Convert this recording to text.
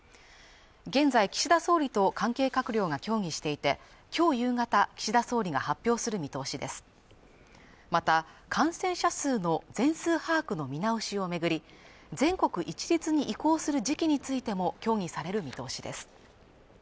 現在、岸田総理と関係閣僚が協議していてきょう夕方岸田総理が発表する見通しですまた感染者数の全数把握の見直しを巡り全国一律に移行する時期についても協議される見通しです